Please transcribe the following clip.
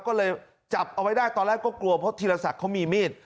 ก็เลยจับเอาไว้ได้ตอนแรกก็กลัวเพราะธีรศักดิ์เขามีมีด